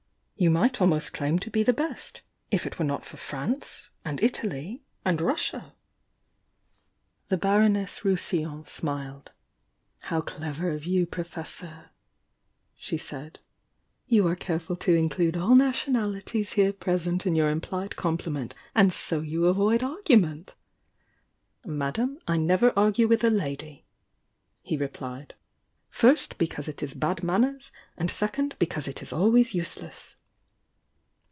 "You might almost claim to be the best— if it were not for France,— and Italy —and Russia!" 142 THE YOUNG DIANA V The Baroness Rousillon smiled. "How clever of you, Professor!" she said. '"You are careful to include all nationalities here present in your implied compliment, and so you avoid argu ment!" "Madame, I never argue with a lady!" he repued. "First, because it is bad manners, and second, be cause it is always useless!"